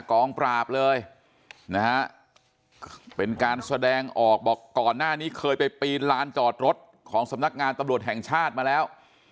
กองปราบเลยนะฮะเป็นการแสดงออกบอกก่อนหน้านี้เคยไปปีนลานจอดรถของสำนักงานตำรวจแห่งชาติมาแล้ว